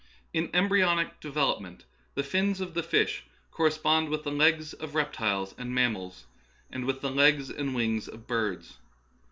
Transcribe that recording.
In embry onic development the fins of the fish correspond with the legs of reptiles and mammals, and with the legs and wings of birds.